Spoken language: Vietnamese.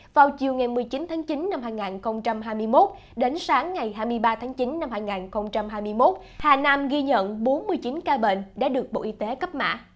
vào chiều một mươi chín chín hai nghìn hai mươi một đến sáng ngày hai mươi ba chín hai nghìn hai mươi một hà nam ghi nhận bốn mươi chín ca bệnh đã được bộ y tế cấp mã